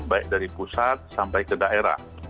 baik dari pusat sampai ke daerah